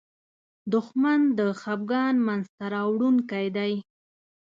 دښمن د خپګان مینځ ته راوړونکی دی